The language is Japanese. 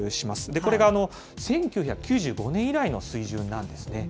これが１９９５年以来の水準なんですね。